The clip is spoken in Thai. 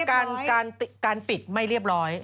แสดงว่าการปิดไม่เรียบร้อย